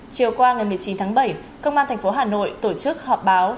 chiều qua ngày một mươi chín tháng bảy công an thành phố hà nội tổ chức họp báo